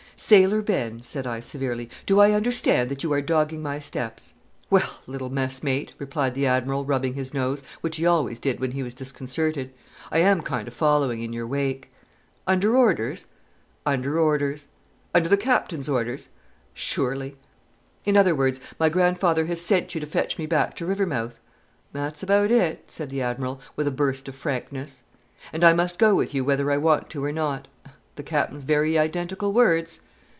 "Sailor Ben," said I, severely, "do I understand that you are dogging my steps?" "'Well, little mess mate," replied the Admiral, rubbing his nose, which he always did when he was disconcerted, "I am kind o' followin' in your wake." "Under orders?" "Under orders." "Under the Captain's orders?" "Surely." "In other words, my grandfather has sent you to fetch me back to Rivermouth?" "That's about it," said the Admiral, with a burst of frankness. "And I must go with you whether I want to or not?" "The Capen's very identical words!"